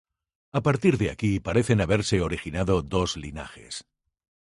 A partir de aquí parecen haberse originado dos linajes.